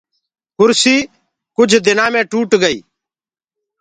ڪُرسيٚ ڪجھُ ڏيآ مي هي ٽوٽ گئي۔